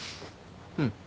うん。